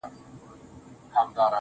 • مه وايه دا چي اور وړي خوله كي.